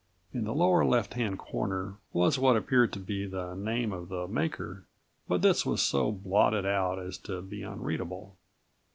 In the lower left hand corner was what appeared to be the name of the maker but this was so blotted out as to be unreadable.